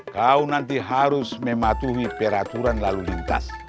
kau nanti harus mematuhi peraturan lalu lintas